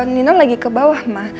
nino lagi kebawah ma